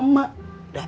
kagak jadi dah